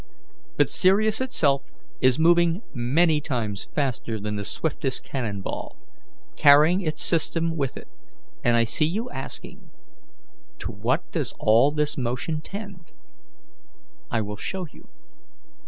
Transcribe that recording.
But Sirius itself is moving many times faster than the swiftest cannon ball, carrying its system with it; and I see you asking, 'To what does all this motion tend?' I will show you.